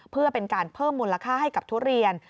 เพื่อเป็นการเพิ่มมูลค่าให้กับทุเรียน